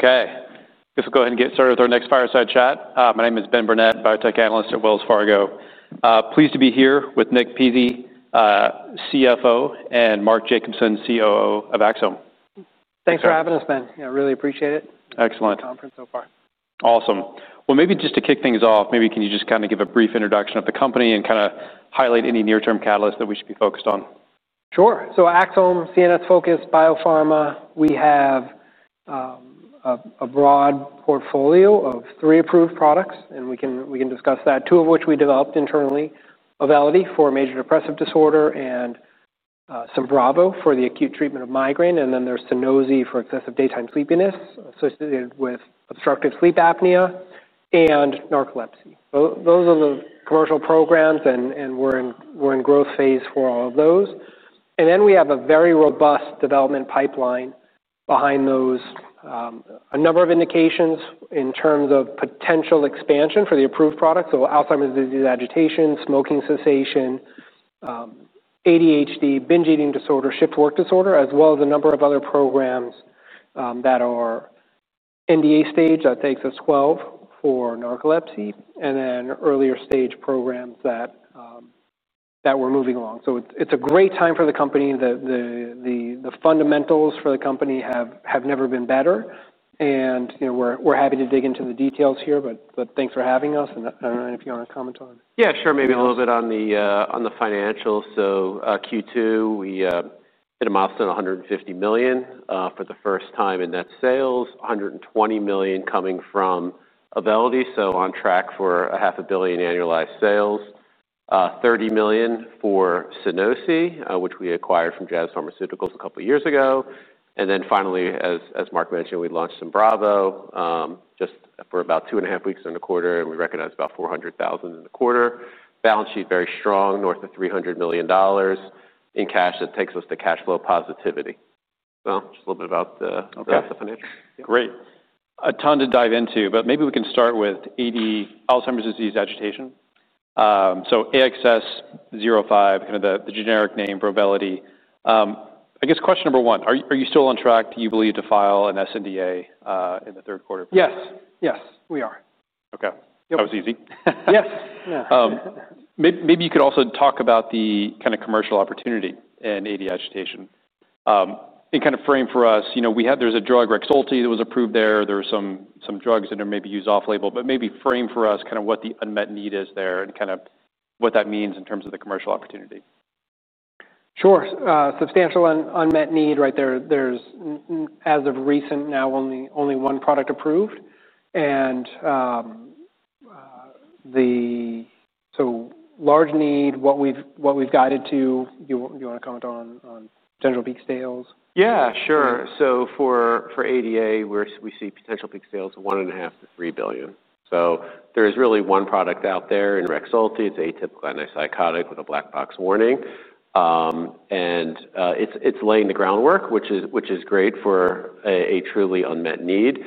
... Okay, guess we'll go ahead and get started with our next fireside chat. My name is Ben Burnett, biotech analyst at Wells Fargo. Pleased to be here with Nick Pizzi, CFO, and Mark Jacobson, COO of Axsome. Thanks for having us, Ben. Yeah, really appreciate it. Excellent. Great conference so far. Awesome. Well, maybe just to kick things off, maybe can you just kind of give a brief introduction of the company and kinda highlight any near-term catalysts that we should be focused on? Sure. So Axsome, CNS-focused biopharma. We have a broad portfolio of three approved products, and we can discuss that, two of which we developed internally, Auvelity for major depressive disorder and Simbrivo for the acute treatment of migraine, and then there's Sunosi for excessive daytime sleepiness associated with obstructive sleep apnea and narcolepsy. So those are the commercial programs, and we're in growth phase for all of those. We have a very robust development pipeline behind those, a number of indications in terms of potential expansion for the approved products, so Alzheimer's disease agitation, smoking cessation, ADHD, binge eating disorder, shift work disorder, as well as a number of other programs that are NDA stage. That takes us AXS-12 for narcolepsy, and then earlier stage programs that we're moving along. It's a great time for the company. The fundamentals for the company have never been better, and you know, we're happy to dig into the details here, but thanks for having us, and I don't know if you want to comment on- Yeah, sure. Maybe a little bit on the, on the financials. So, Q2, we hit a milestone of $150 million, for the first time in net sales, $120 million coming from Auvelity, so on track for $500 million in annualized sales. $30 million for Sunosi, which we acquired from Jazz Pharmaceuticals a couple years ago. And then finally, as Mark mentioned, we launched Simbrivo, just for about two and a half weeks in the quarter, and we recognized about $400,000 in the quarter. Balance sheet very strong, north of $300 million in cash. That takes us to cash flow positivity. So just a little bit about the- Okay. About the financials. Great. A ton to dive into, but maybe we can start with AD, Alzheimer's disease agitation. So AXS-05, kind of the generic name, Auvelity. I guess question number one, are you still on track, do you believe, to file an sNDA in the third quarter? Yes. Yes, we are. Okay. Yep. That was easy. Yes. Yeah. Maybe you could also talk about the kind of commercial opportunity in AD agitation and kind of frame for us... You know, there's a drug, Rexulti, that was approved there. There are some drugs that are maybe used off-label, but maybe frame for us kind of what the unmet need is there and kind of what that means in terms of the commercial opportunity? Sure. Substantial unmet need, right? There's as of recent now only one product approved, and so large need, what we've guided to. You wanna comment on potential peak sales? Yeah, sure. So for ADA, we see potential peak sales of $1.5-$3 billion. So there is really one product out there in Rexulti. It's atypical antipsychotic with a black box warning. And it's laying the groundwork, which is great for a truly unmet need.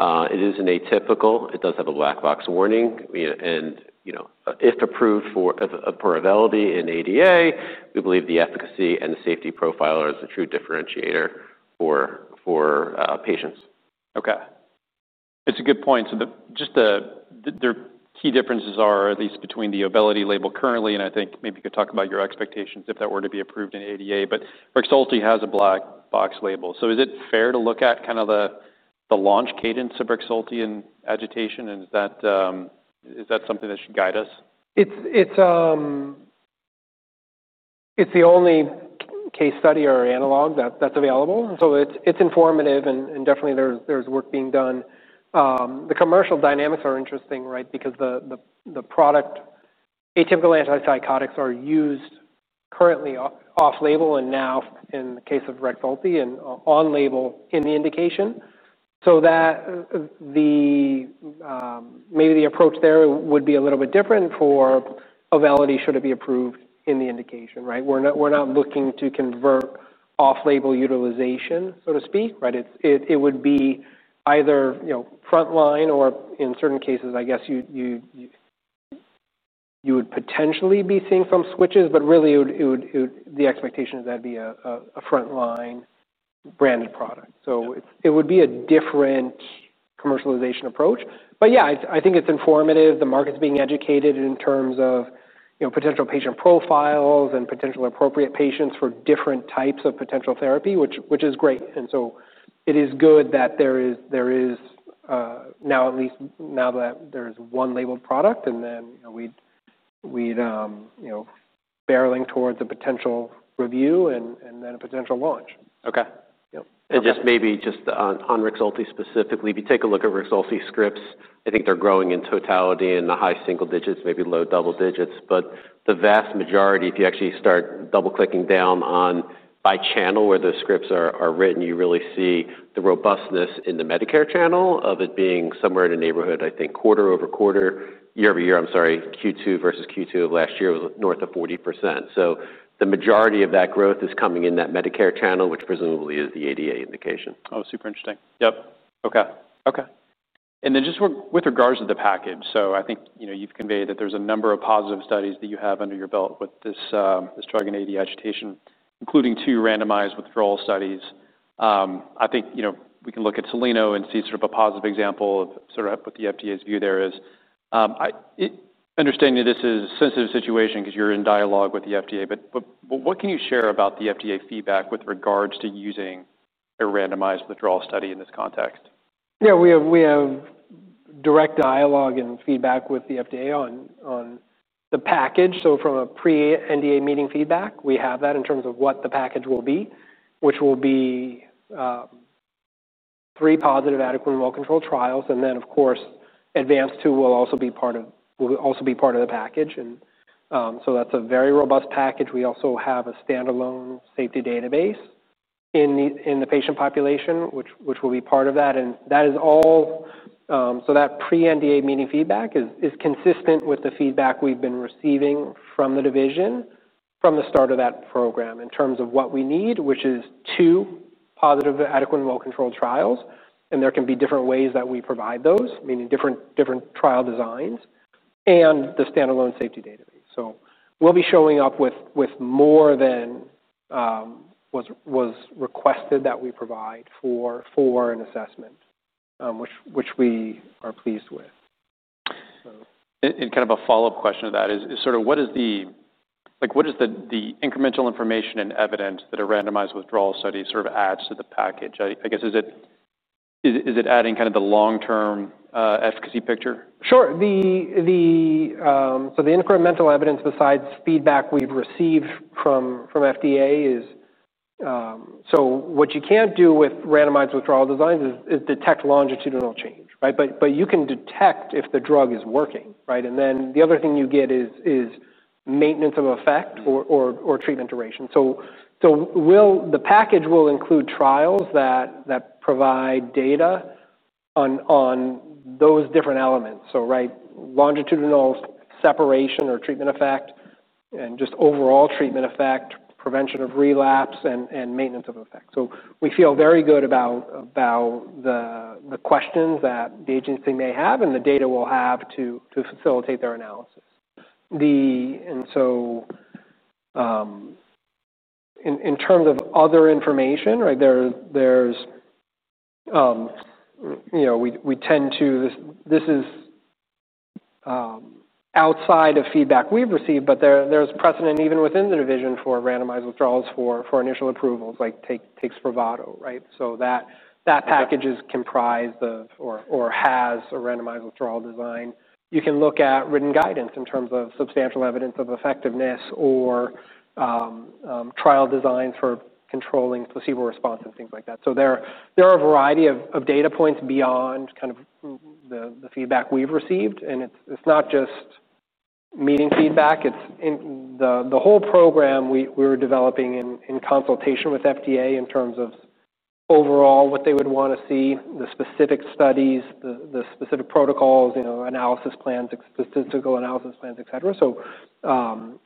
It is an atypical. It does have a black box warning, you know, and you know, if approved for Auvelity in ADA, we believe the efficacy and the safety profile is a true differentiator for patients. Okay. It's a good point. So the key differences are, at least between the Auvelity label currently, and I think maybe you could talk about your expectations if that were to be approved in ADA, but Rexulti has a black box label. So is it fair to look at kind of the launch cadence of Rexulti in agitation, and is that something that should guide us? It's the only case study or analog that's available, so it's informative, and definitely there's work being done. The commercial dynamics are interesting, right? Because the product. Atypical antipsychotics are used currently off-label, and now, in the case of Rexulti, on-label in the indication. So that, maybe the approach there would be a little bit different for Auvelity, should it be approved in the indication, right? We're not looking to convert off-label utilization, so to speak, right? It would be either, you know, frontline or, in certain cases, I guess, you would potentially be seeing some switches, but really, it would, the expectation is that'd be a frontline branded product. So it would be a different commercialization approach. But yeah, I think it's informative. The market's being educated in terms of, you know, potential patient profiles and potential appropriate patients for different types of potential therapy, which is great. And so it is good that there is now at least, now that there's one labeled product, and then, you know, we're barreling towards a potential review and then a potential launch. Okay. Yep. Okay. Just maybe just on Rexulti specifically, if you take a look at Rexulti scripts, I think they're growing in totality in the high single digits, maybe low double digits. The vast majority, if you actually start double-clicking down on by channel where those scripts are written, you really see the robustness in the Medicare channel of it being somewhere in the neighborhood, I think, quarter over quarter, year over year. I'm sorry, Q2 versus Q2 of last year, was north of 40%. The majority of that growth is coming in that Medicare channel, which presumably is the ADA indication. Oh, super interesting. Yep. Okay. And then just with regards to the package, so I think, you know, you've conveyed that there's a number of positive studies that you have under your belt with this drug in AD agitation, including two randomized withdrawal studies. I think, you know, we can look at Soleno and see sort of a positive example of sort of what the FDA's view there is. Understanding that this is a sensitive situation 'cause you're in dialogue with the FDA, but what can you share about the FDA feedback with regards to using a randomized withdrawal study in this context? Yeah, we have direct dialogue and feedback with the FDA on the package. From a pre-NDA meeting feedback, we have that in terms of what the package will be, which will be three positive, adequately well-controlled trials. ADVANCE-2 will also be part of the package. That's a very robust package. We also have a standalone safety database in the patient population, which will be part of that. That pre-NDA meeting feedback is consistent with the feedback we've been receiving from the division from the start of that program in terms of what we need, which is two positive, adequate, and well-controlled trials. There can be different ways that we provide those, meaning different trial designs, and the standalone safety database. So we'll be showing up with more than was requested that we provide for an assessment, which we are pleased with. So- Kind of a follow-up question to that is sort of what is the incremental information and evidence that a randomized withdrawal study sort of adds to the package? I guess, is it adding kind of the long-term efficacy picture? Sure. So the incremental evidence besides feedback we've received from FDA is what you can't do with randomized withdrawal designs is detect longitudinal change, right? But you can detect if the drug is working, right? And then the other thing you get is maintenance of effect- Mm-hmm. or treatment duration. So we'll, the package will include trials that provide data on those different elements. So, right, longitudinal separation or treatment effect and just overall treatment effect, prevention of relapse, and maintenance of effect. So we feel very good about the questions that the agency may have, and the data we'll have to facilitate their analysis. And so, in terms of other information, right, there's, you know, we tend to. This is, outside of feedback we've received, but there's precedent even within the division for randomized withdrawals for initial approvals, like take Spravato, right? So that package is comprised of or has a randomized withdrawal design. You can look at written guidance in terms of substantial evidence of effectiveness or trial designs for controlling placebo response and things like that. So there are a variety of data points beyond kind of the feedback we've received, and it's not just meeting feedback. It's in the whole program we were developing in consultation with FDA in terms of overall what they would wanna see, the specific studies, the specific protocols, you know, analysis plans, statistical analysis plans, et cetera. So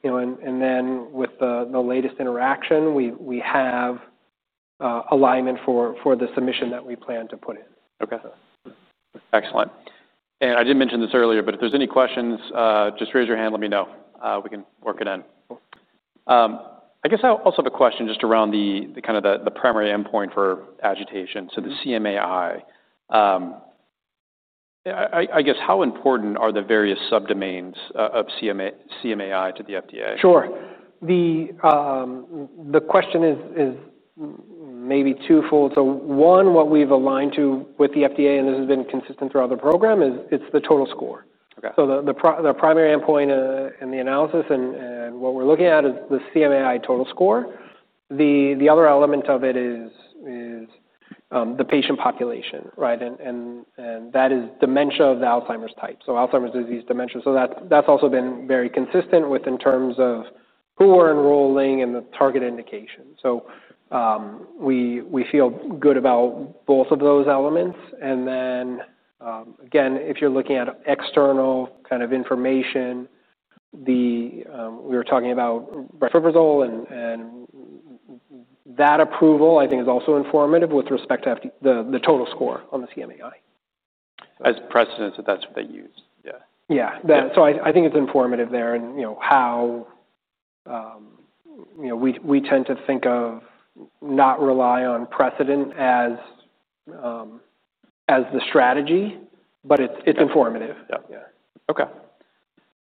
you know, and then with the latest interaction, we have alignment for the submission that we plan to put in. Okay. Excellent. And I didn't mention this earlier, but if there's any questions, just raise your hand, let me know. We can work it in. I guess I also have a question just around the kind of primary endpoint for agitation, so the CMAI. How important are the various subdomains of CMAI to the FDA? Sure. The question is maybe twofold. So one, what we've aligned to with the FDA, and this has been consistent throughout the program, is it's the total score. Okay. So the primary endpoint in the analysis and what we're looking at is the CMAI total score. The other element of it is the patient population, right? And that is dementia of the Alzheimer's type, so Alzheimer's disease dementia. So that's also been very consistent within terms of who we're enrolling and the target indication. We feel good about both of those elements. And then, again, if you're looking at external kind of information. We were talking about brexpiprazole, and that approval, I think, is also informative with respect to FDA, the total score on the CMAI. As precedent, that's what they use, yeah. Yeah. That, so I think it's informative there and, you know, how, you know, we tend to think of not rely on precedent as, as the strategy, but it's- Yeah. -it's informative. Yeah. Yeah. Okay.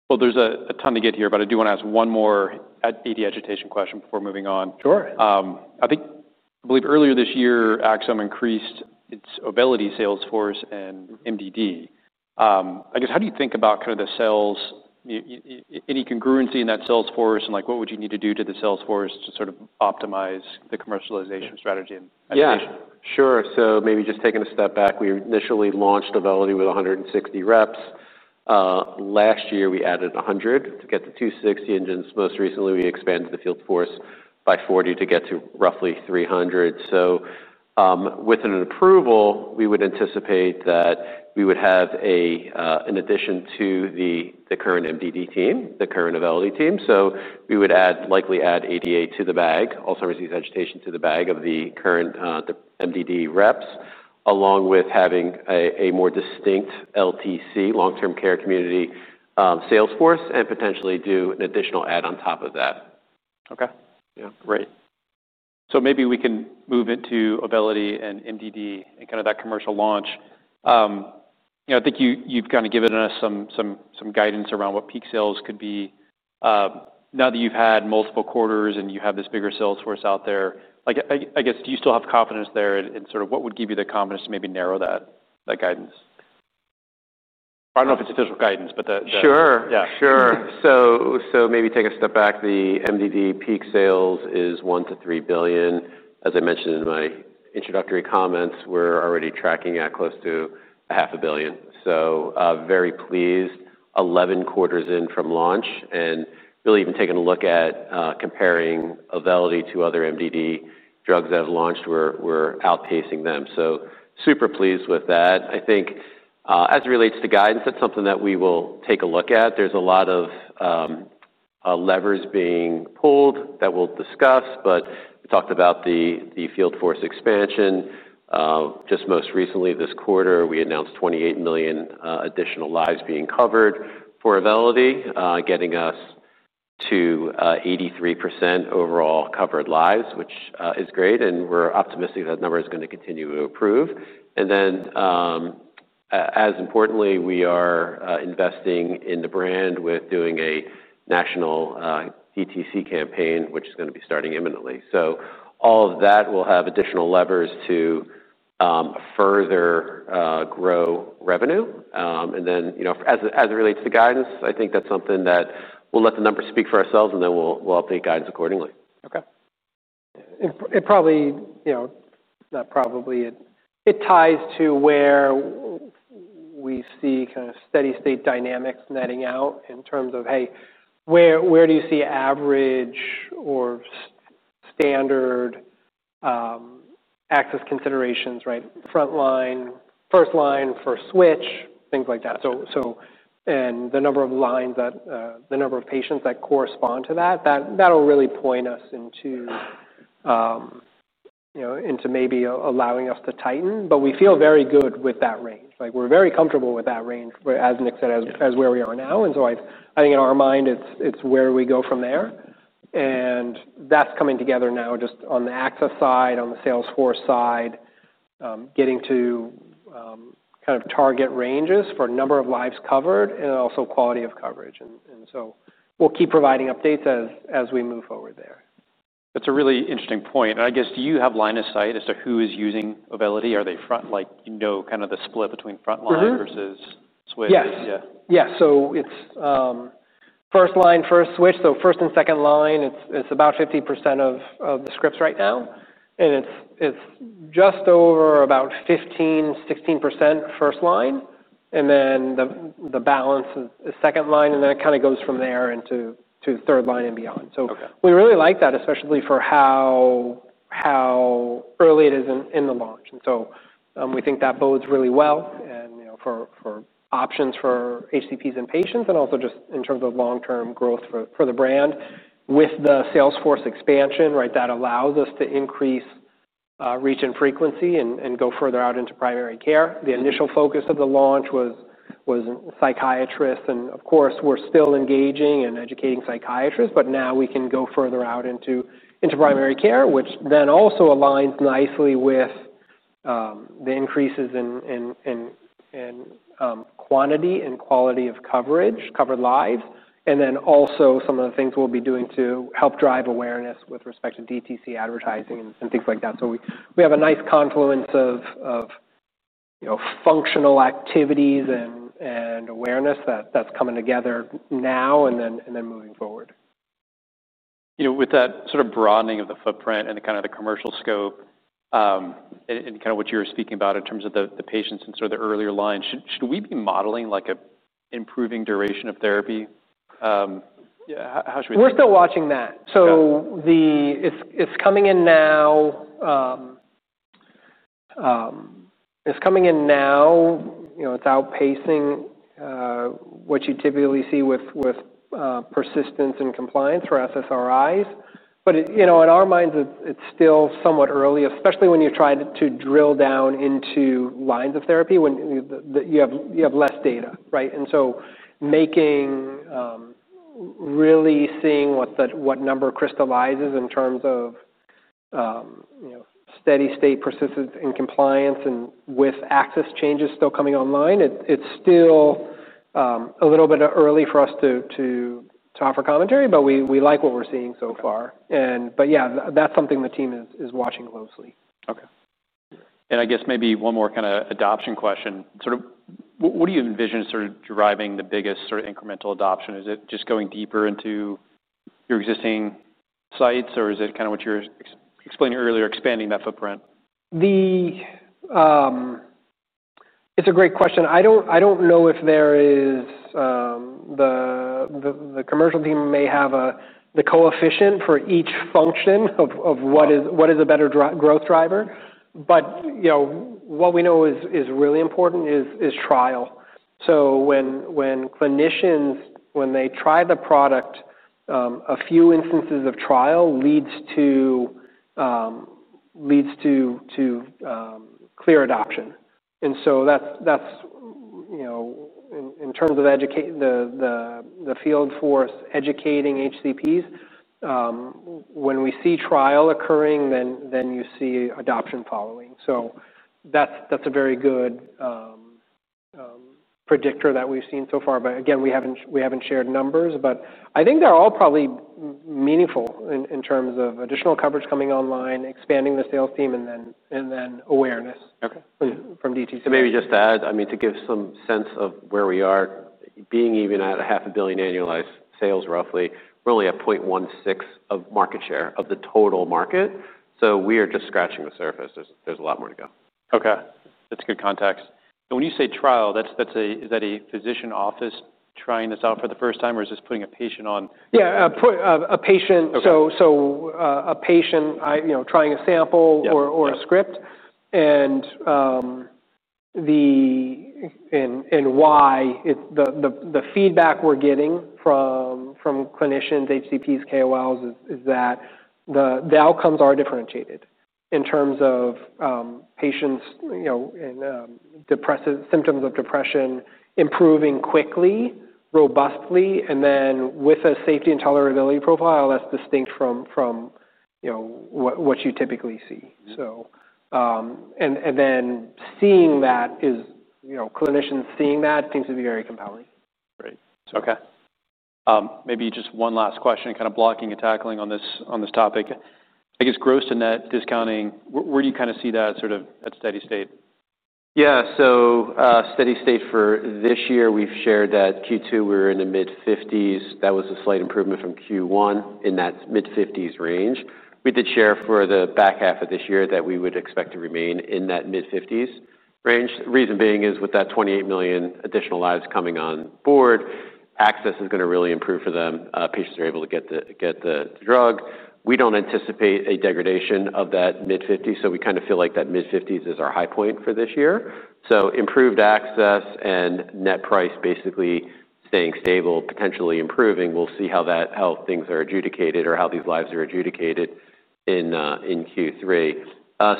Well, there's a ton to get here, but I do want to ask one more AD agitation question before moving on. Sure. I think, I believe earlier this year, Axsome increased its Auvelity sales force and MDD. I guess, how do you think about kind of the sales, any congruency in that sales force and, like, what would you need to do to the sales force to sort of optimize the commercialization strategy and adaptation? Yeah, sure. So maybe just taking a step back, we initially launched Auvelity with 160 reps. Last year, we added 100 to get to 260, and then most recently, we expanded the field force by 40 to get to roughly 300. So, with an approval, we would anticipate that we would have a, an addition to the, the current MDD team, the current Auvelity team. So we would add, likely add ADA to the bag, Alzheimer's disease agitation, to the bag of the current, the MDD reps.... along with having a more distinct LTC, long-term care community, sales force, and potentially do an additional ad on top of that. Okay. Yeah, great. So maybe we can move into Auvelity and MDD and kind of that commercial launch. You know, I think you, you've kind of given us some guidance around what peak sales could be. Now that you've had multiple quarters, and you have this bigger sales force out there, like, I guess, do you still have confidence there, and sort of what would give you the confidence to maybe narrow that guidance? I don't know if it's official guidance, but Sure. Yeah. Sure, so maybe take a step back. The MDD peak sales is $1-$3 billion. As I mentioned in my introductory comments, we're already tracking at close to $500 million, so very pleased, 11 quarters in from launch, and really even taking a look at comparing Auvelity to other MDD drugs that have launched, we're outpacing them, so super pleased with that. I think as it relates to guidance, that's something that we will take a look at. There's a lot of levers being pulled that we'll discuss, but we talked about the field force expansion. Just most recently this quarter, we announced 28 million additional lives being covered for Auvelity, getting us to 83% overall covered lives, which is great, and we're optimistic that number is gonna continue to improve. And then, as importantly, we are investing in the brand with doing a national DTC campaign, which is gonna be starting imminently. So all of that will have additional levers to further grow revenue. And then, you know, as it relates to guidance, I think that's something that we'll let the numbers speak for ourselves, and then we'll update guidance accordingly. Okay. It probably, you know, not probably. It ties to where we see kind of steady state dynamics netting out in terms of, hey, where do you see average or standard access considerations, right? Front line, first line for switch, things like that. So, and the number of lines that, the number of patients that correspond to that, that'll really point us into, you know, into maybe allowing us to tighten, but we feel very good with that range. Like, we're very comfortable with that range, where as Nick said, as where we are now, and so I, I think in our mind, it's, it's where we go from there, and that's coming together now just on the access side, on the sales force side, getting to, kind of target ranges for number of lives covered and also quality of coverage. And, and so we'll keep providing updates as, as we move forward there. That's a really interesting point, and I guess, do you have line of sight as to who is using Auvelity? Are they front, like, you know, kind of the split between front line- Mm-hmm... versus switch? Yes. Yeah. Yeah. So it's first line, first switch, so first and second line. It's about 50% of the scripts right now, and it's just over about 15-16% first line, and then the balance is second line, and then it kind of goes from there into third line and beyond. Okay. So we really like that, especially for how early it is in the launch, and so we think that bodes really well, and you know, for options for HCPs and patients, and also just in terms of long-term growth for the brand. With the sales force expansion, right, that allows us to increase reach and frequency and go further out into primary care. The initial focus of the launch was psychiatrists, and of course, we're still engaging and educating psychiatrists, but now we can go further out into primary care, which then also aligns nicely with the increases in quantity and quality of coverage, covered lives, and then also some of the things we'll be doing to help drive awareness with respect to DTC advertising and things like that. We have a nice confluence of, you know, functional activities and awareness that's coming together now and then moving forward. You know, with that sort of broadening of the footprint and the kind of the commercial scope, and kind of what you were speaking about in terms of the patients and sort of the earlier line, should we be modeling, like, a improving duration of therapy? How should we- We're still watching that. Yeah. It's coming in now, you know, it's outpacing what you typically see with persistence and compliance for SSRIs, but it, you know, in our minds, it's still somewhat early, especially when you're trying to drill down into lines of therapy when you have less data, right, and so really seeing what that number crystallizes in terms of, you know, steady state persistence and compliance and with access changes still coming online, it's still a little bit early for us to offer commentary, but we like what we're seeing so far. Yeah, that's something the team is watching closely. Okay. And I guess maybe one more kind of adoption question. Sort of what do you envision sort of driving the biggest sort of incremental adoption? Is it just going deeper into your existing sites, or is it kind of what you were explaining earlier, expanding that footprint? It's a great question. I don't know if there is, the commercial team may have a, the coefficient for each function of what is- Oh... what is a better growth driver, but you know, what we know is really important is trial, so when clinicians try the product, a few instances of trial leads to clear adoption, and so that's you know in terms of the field force educating HCPs, when we see trial occurring, then you see adoption following, so that's a very good predictor that we've seen so far, but again, we haven't shared numbers, but I think they're all probably meaningful in terms of additional coverage coming online, expanding the sales team, and then awareness- Okay. From Day two to- Maybe just to add, I mean, to give some sense of where we are, being even at $500 million annualized sales, roughly, we're only at 0.16% market share of the total market, so we are just scratching the surface. There's a lot more to go. Okay. That's good context. And when you say trial, that's a... Is that a physician office trying this out for the first time, or is this putting a patient on? Yeah, put a patient- Okay. A patient, you know, trying a sample- Yeah... or a script. And the feedback we're getting from clinicians, HCPs, KOLs is that the outcomes are differentiated in terms of patients, you know, and depressive symptoms of depression improving quickly, robustly, and then with a safety and tolerability profile that's distinct from you know, what you typically see. Mm-hmm. Seeing that is, you know, clinicians seeing that seems to be very compelling. Great. Okay. Maybe just one last question, kind of blocking and tackling on this, on this topic. I guess, gross to net discounting, where, where do you kind of see that, sort of, at steady state? Yeah. So, steady state for this year, we've shared that Q2, we were in the mid-fifties. That was a slight improvement from Q1 in that mid-fifties range. We did share for the back half of this year that we would expect to remain in that mid-fifties range. Reason being is, with that 28 million additional lives coming on board, access is gonna really improve for them. Patients are able to get the, get the drug. We don't anticipate a degradation of that mid-fifties, so we kind of feel like that mid-fifties is our high point for this year. So improved access and net price basically staying stable, potentially improving. We'll see how that, how things are adjudicated or how these lives are adjudicated in, in Q3.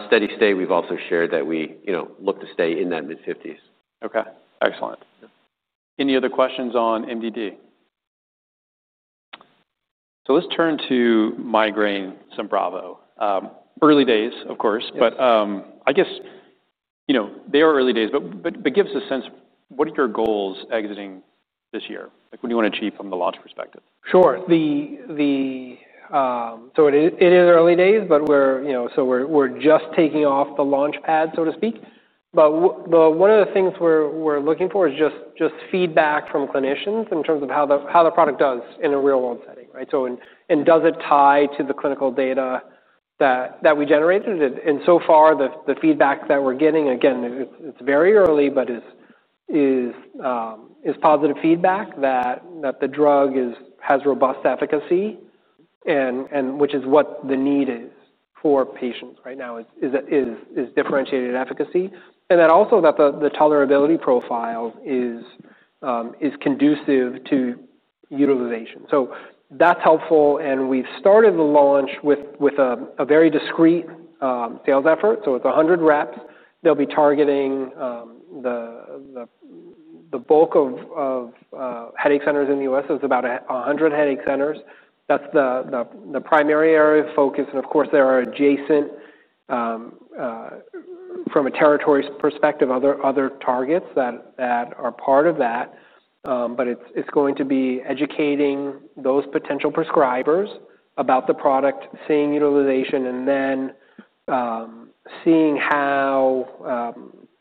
Steady state, we've also shared that we, you know, look to stay in that mid-fifties. Okay, excellent. Any other questions on MDD? So let's turn to migraine Simbrivo. Early days, of course- Yes... but, I guess, you know, they are early days, but give us a sense, what are your goals exiting this year? Like, what do you want to achieve from the launch perspective? Sure. So it is early days, but we're, you know, so we're just taking off the launch pad, so to speak. But one of the things we're looking for is just feedback from clinicians in terms of how the product does in a real-world setting, right? So, and does it tie to the clinical data that we generated? And so far, the feedback that we're getting, again, it's very early, but it is positive feedback that the drug has robust efficacy and which is what the need is for patients right now, is differentiated efficacy. And then also, that the tolerability profile is conducive to utilization. So that's helpful, and we've started the launch with a very discreet sales effort. So it's a hundred reps. They'll be targeting the bulk of headache centers in the U.S. So it's about a hundred headache centers. That's the primary area of focus, and of course, there are adjacent, from a territories perspective, other targets that are part of that, but it's going to be educating those potential prescribers about the product, seeing utilization, and then seeing how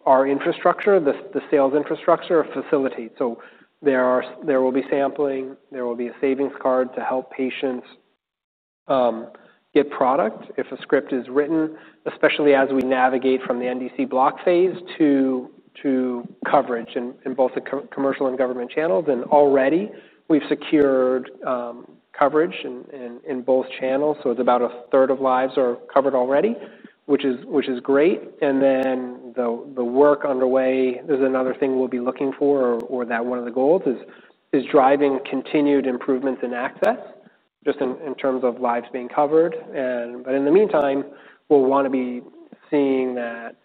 our infrastructure, the sales infrastructure facilitates. So there will be sampling. There will be a savings card to help patients get product if a script is written, especially as we navigate from the NDC block phase to coverage in both the commercial and government channels. Already, we've secured coverage in both channels, so it's about a third of lives are covered already, which is great. Then the work underway, there's another thing we'll be looking for, or that one of the goals, is driving continued improvements in access, just in terms of lives being covered. But in the meantime, we'll want to be seeing that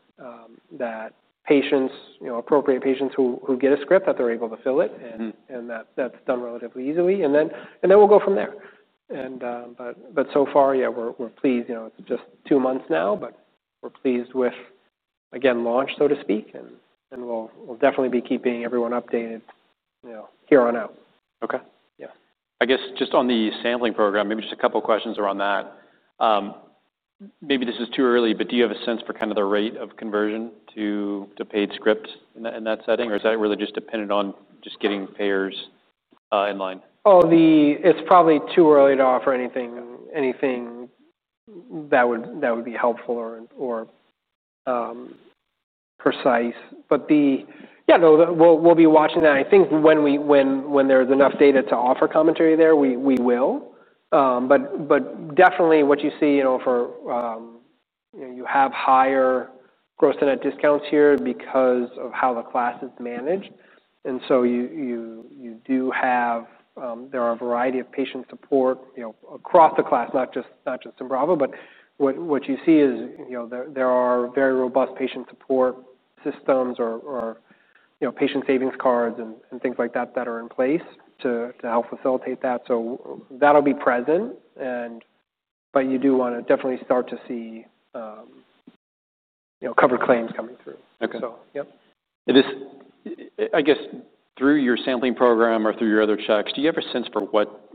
patients, you know, appropriate patients who get a script, that they're able to fill it- Mm-hmm... and that's done relatively easily, and then we'll go from there, but so far, yeah, we're pleased. You know, it's just two months now, but we're pleased with, again, launch, so to speak, and we'll definitely be keeping everyone updated, you know, here on out. Okay. Yeah. I guess just on the sampling program, maybe just a couple questions around that. Maybe this is too early, but do you have a sense for kind of the rate of conversion to paid scripts in that setting, or is that really just dependent on just getting payers in line? It's probably too early to offer anything that would be helpful or precise. Yeah, no, we'll be watching that. I think when there's enough data to offer commentary there, we will. But definitely what you see, you know, you have higher gross net discounts here because of how the class is managed. And so you do have there are a variety of patient support, you know, across the class, not just Simbrivo. But what you see is, you know, there are very robust patient support systems or, you know, patient savings cards and things like that that are in place to help facilitate that. So that'll be present, and but you do want to definitely start to see, you know, covered claims coming through. Okay. So, yep. I guess, through your sampling program or through your other checks, do you have a sense for what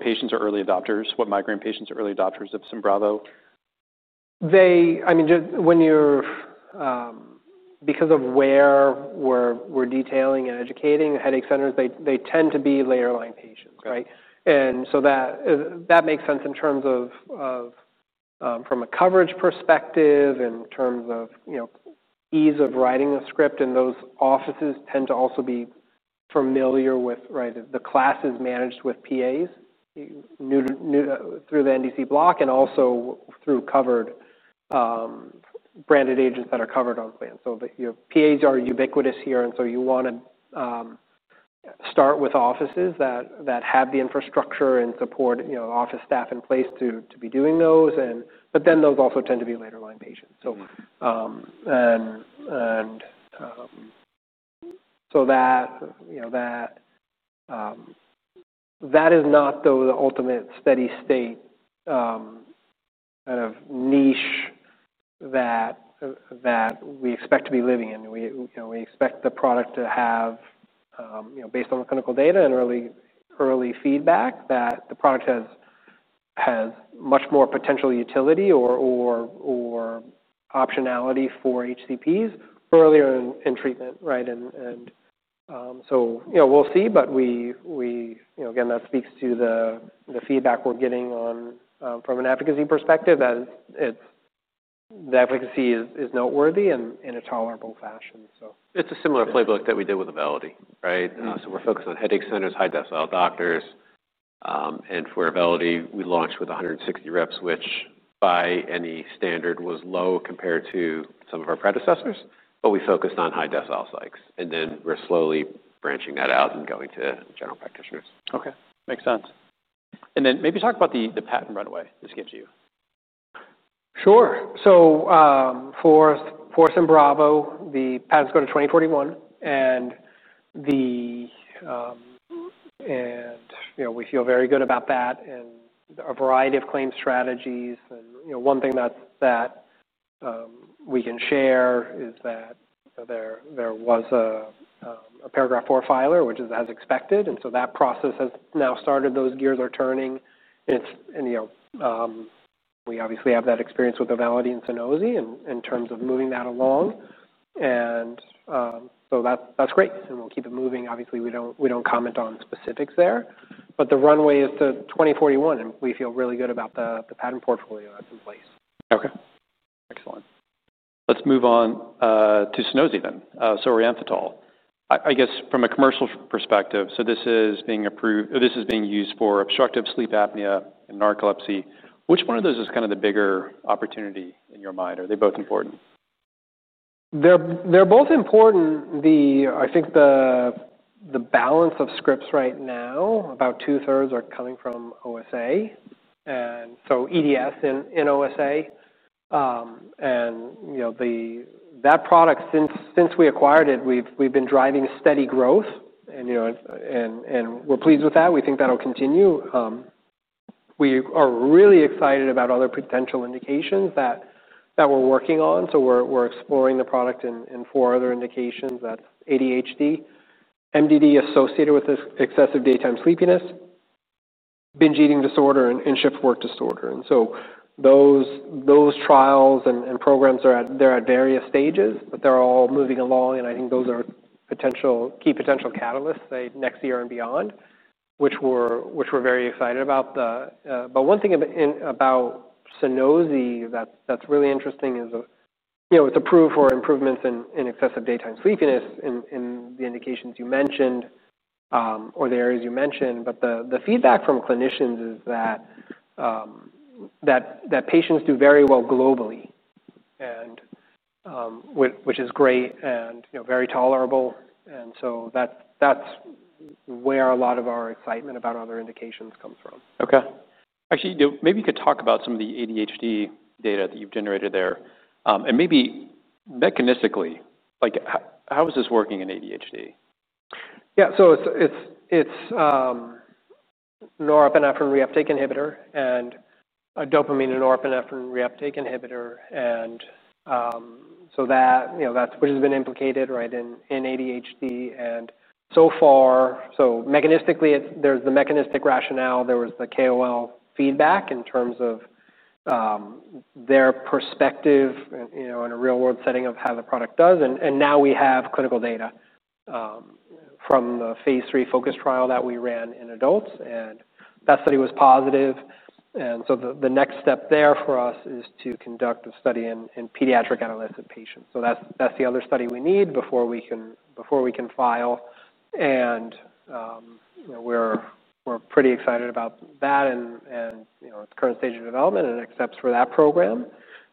patients are early adopters, what migraine patients are early adopters of Simbrivo? I mean, just when you're, because of where we're detailing and educating headache centers, they tend to be later-line patients, right? Okay. And so that makes sense in terms of, from a coverage perspective, in terms of, you know, ease of writing a script, and those offices tend to also be familiar with, right, the classes managed with PAs, new to through the NDC block and also through covered, branded agents that are covered on plan. So the, you know, PAs are ubiquitous here, and so you want to start with offices that have the infrastructure and support, you know, office staff in place to be doing those, and but then those also tend to be later-line patients. Okay. So that, you know, that is not, though, the ultimate steady state kind of niche that we expect to be living in. We, you know, we expect the product to have, you know, based on the clinical data and early feedback, that the product has much more potential utility or optionality for HCPs earlier in treatment, right? And so, you know, we'll see, but we, you know, again, that speaks to the feedback we're getting on from an advocacy perspective, that it's the advocacy is noteworthy and in a tolerable fashion, so. It's a similar playbook that we did with Auvelity, right? Mm-hmm. So we're focused on headache centers, high-decile doctors. And for Auvelity, we launched with 160 reps, which by any standard was low compared to some of our predecessors, but we focused on high-decile psychs, and then we're slowly branching that out and going to general practitioners. Okay, makes sense. And then maybe talk about the patent runway this gives you. Sure. So, for Simbrivo, the patents go to 2041, and, you know, we feel very good about that and a variety of claim strategies. And, you know, one thing that we can share is that there was a Paragraph IV filer, which is as expected, and so that process has now started. Those gears are turning. It's and, you know, we obviously have that experience with Auvelity and Sunosi in terms of moving that along, and so that's great, and we'll keep it moving. Obviously, we don't comment on specifics there, but the runway is to 2041, and we feel really good about the patent portfolio that's in place. Okay, excellent. Let's move on to Sunosi then, solriamfetol. I guess from a commercial perspective, so this is being approved, this is being used for obstructive sleep apnea and narcolepsy. Which one of those is kind of the bigger opportunity in your mind, or are they both important? They're both important. I think the balance of scripts right now, about two-thirds are coming from OSA, and so EDS in OSA. And you know, that product, since we acquired it, we've been driving steady growth, and you know, we're pleased with that. We think that'll continue. We are really excited about other potential indications that we're working on. So we're exploring the product in four other indications. That's ADHD, MDD associated with excessive daytime sleepiness, binge eating disorder, and shift work disorder. And so those trials and programs are at various stages, but they're all moving along, and I think those are potential key potential catalysts by next year and beyond, which we're very excited about the... But one thing about Sunosi that's really interesting is, you know, it's approved for improvements in excessive daytime sleepiness in the indications you mentioned or the areas you mentioned, but the feedback from clinicians is that patients do very well globally, and which is great and, you know, very tolerable. And so that's where a lot of our excitement about other indications come from. Okay. Actually, you know, maybe you could talk about some of the ADHD data that you've generated there. And maybe mechanistically, like, how is this working in ADHD? Yeah, so it's a norepinephrine reuptake inhibitor and a dopamine and norepinephrine reuptake inhibitor, and so that, you know, that's what has been implicated, right, in ADHD. And so far, mechanistically, there's the mechanistic rationale. There was the KOL feedback in terms of their perspective, you know, in a real-world setting of how the product does. And now we have clinical data from the phase III FOCUS trial that we ran in adults, and that study was positive. And so the next step there for us is to conduct a study in pediatric adolescent patients. So that's the other study we need before we can file, and you know, we're pretty excited about that and, you know, its current stage of development except for that program.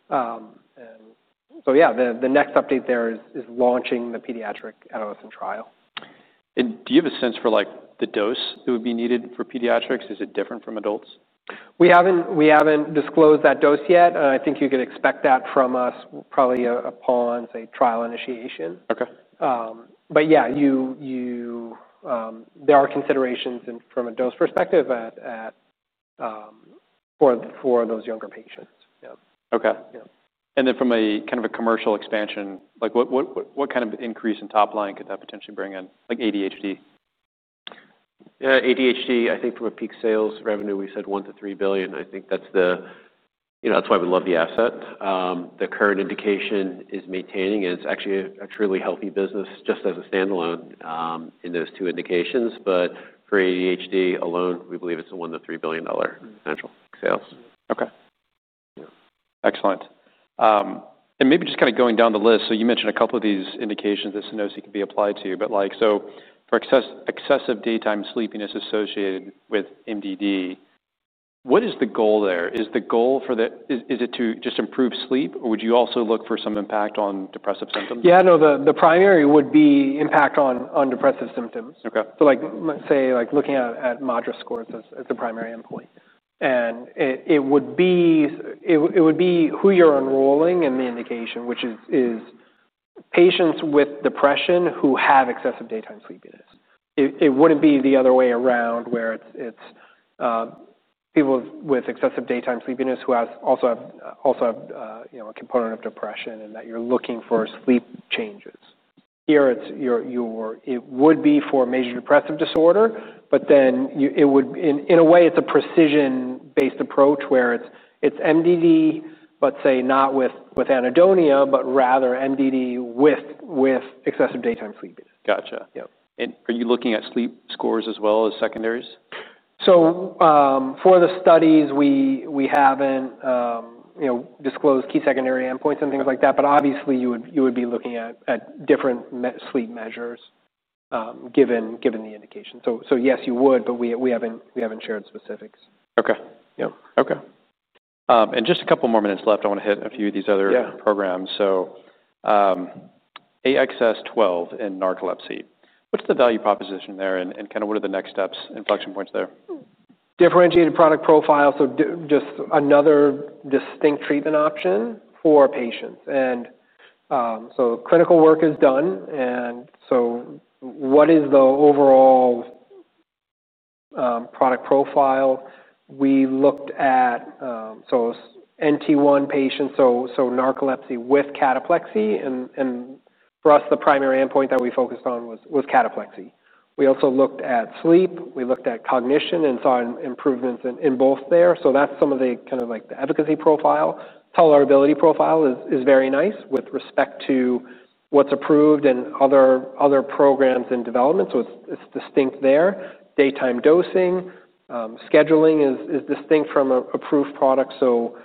and so yeah, the next update there is launching the pediatric adolescent trial. And do you have a sense for, like, the dose that would be needed for pediatrics? Is it different from adults? We haven't disclosed that dose yet, and I think you could expect that from us probably, upon, say, trial initiation. Okay. But yeah, you, there are considerations from a dose perspective for those younger patients. Yeah. Okay. Yeah. From a kind of commercial expansion, like, what kind of increase in top line could that potentially bring in, like ADHD? Yeah, ADHD, I think from a peak sales revenue, we said $1 billion-$3 billion. I think that's the... You know, that's why we love the asset. The current indication is maintaining, and it's actually a truly healthy business, just as a standalone, in those two indications. But for ADHD alone, we believe it's a $1 billion-$3 billion dollar- Mm-hmm. Potential sales. Okay. Yeah. Excellent. And maybe just kind of going down the list, so you mentioned a couple of these indications that Sunosi could be applied to, but, like, so for excessive daytime sleepiness associated with MDD, what is the goal there? Is the goal... Is, is it to just improve sleep, or would you also look for some impact on depressive symptoms? Yeah, no, the primary would be impact on depressive symptoms. Okay. Like, let's say, like, looking at MADRS scores as the primary endpoint. It would be who you're enrolling in the indication, which is patients with depression who have excessive daytime sleepiness. It wouldn't be the other way around, where it's people with excessive daytime sleepiness who also have you know, a component of depression and that you're looking for sleep changes. Here, it's your... It would be for major depressive disorder, but then it would. In a way, it's a precision-based approach, where it's MDD, but say, not with anhedonia, but rather MDD with excessive daytime sleepiness. Gotcha. Yeah. Are you looking at sleep scores as well as secondaries? So, for the studies, we haven't, you know, disclosed key secondary endpoints and things like that, but obviously, you would be looking at different sleep measures, given the indication. So yes, you would, but we haven't shared specifics. Okay. Yeah. Okay. And just a couple more minutes left. I want to hit a few of these other- Yeah... programs. So, AXS-12 in narcolepsy, what's the value proposition there, and kind of what are the next steps, inflection points there? Differentiated product profile, so just another distinct treatment option for patients, and so clinical work is done, and so what is the overall product profile? We looked at so NT1 patients, so narcolepsy with cataplexy, and for us, the primary endpoint that we focused on was cataplexy. We also looked at sleep. We looked at cognition and saw improvements in both there, so that's some of the kind of, like, the efficacy profile. Tolerability profile is very nice with respect to what's approved and other programs in development, so it's distinct there. Daytime dosing scheduling is distinct from a approved product, so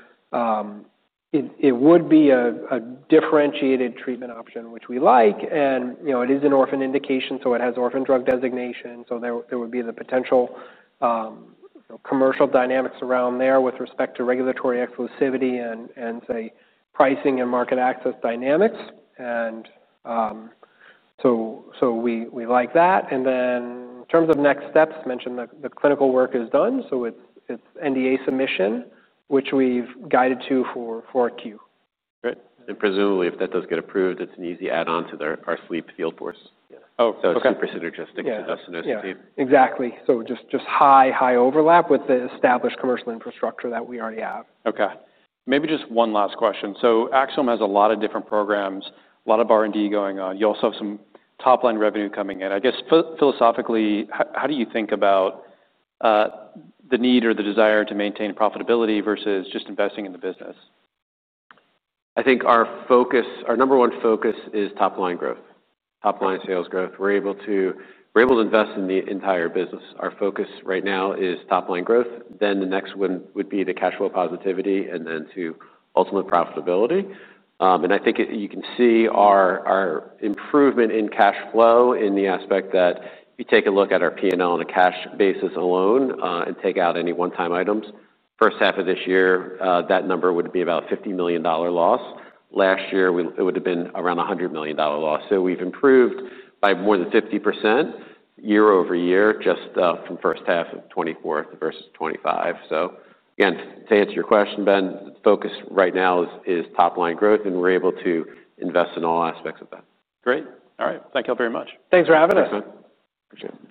it would be a differentiated treatment option, which we like, and you know, it is an orphan indication, so it has orphan drug designation. So there would be the potential, you know, commercial dynamics around there with respect to regulatory exclusivity and say, pricing and market access dynamics, and so we like that. And then in terms of next steps, mentioned the clinical work is done, so it's NDA submission, which we've guided to for 4Q. Great. And presumably, if that does get approved, it's an easy add-on to their, our sleep field force. Yeah. Oh, okay. So super synergistic- Yeah To the Sunosi team. Yeah, exactly. So just high overlap with the established commercial infrastructure that we already have. Okay. Maybe just one last question. So Axsome has a lot of different programs, a lot of R&D going on. You also have some top-line revenue coming in. I guess, philosophically, how do you think about the need or the desire to maintain profitability versus just investing in the business? I think our focus, our number one focus is top-line growth, top-line sales growth. We're able to invest in the entire business. Our focus right now is top-line growth, then the next one would be the cash flow positivity and then to ultimate profitability. And I think it, you can see our, our improvement in cash flow in the aspect that if you take a look at our P&L on a cash basis alone, and take out any one-time items, first half of this year, that number would be about $50 million loss. Last year, we, it would've been around a $100 million loss. So we've improved by more than 50% year over year, just, from first half of 2024 versus 2025. So again, to answer your question, Ben, the focus right now is top-line growth, and we're able to invest in all aspects of that. Great. All right. Thank you all very much. Thanks for having us. Thanks, man. Appreciate it.